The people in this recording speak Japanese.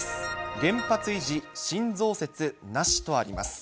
原発維持、新増設なしとあります。